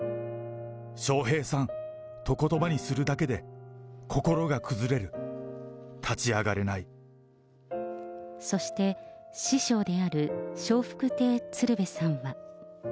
笑瓶さんとことばにするだけで、そして、師匠である笑福亭鶴瓶さんは。